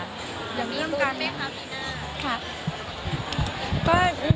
คุณแม่นะคะที่หน้า